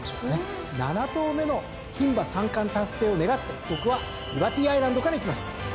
７頭目の牝馬三冠達成を願って僕はリバティアイランドからいきます！